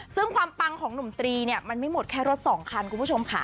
ซึ่งความปังของหนุ่มตรีเนี่ยมันไม่หมดแค่รถสองคันคุณผู้ชมค่ะ